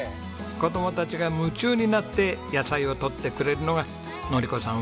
子供たちが夢中になって野菜を採ってくれるのが典子さん